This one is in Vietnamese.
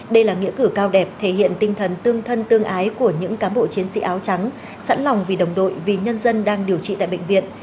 đây là nghĩa cử cao đẹp thể hiện tinh thần tương thân tương ái của những cám bộ chiến sĩ áo trắng sẵn lòng vì đồng đội vì nhân dân đang điều trị tại bệnh viện